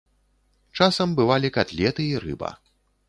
Часам бывалі катлеты і рыба.